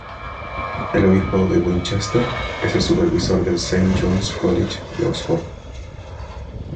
El obispo de Winchester es el supervisor del Saint John's College de Oxford.